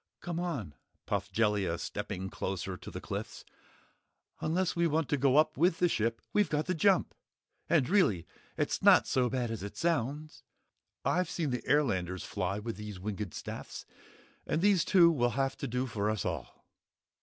"Come on," puffed Jellia stepping closer to the cliffs, "unless we want to go up with the ship we've got to jump! And really it's not so bad as it sounds! I've seen the airlanders fly with these winged staffs, and these two will have to do for us all."